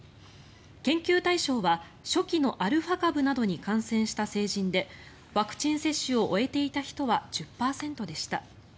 研究対象は初期のアルファ株などに感染した成人でワクチン接種を終えていた人は１０％でした。